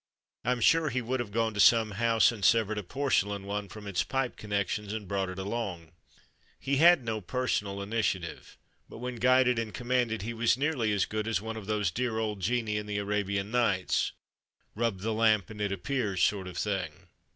Fm sure he would have gone to some house and severed a porcelain one from its pipe connections and brought it along. He had no personal initiative, but when guided and commanded he was nearly as good as one of those dear old genii in the Arabian Nights —" rub the lamp and it ap pears" sort of thing.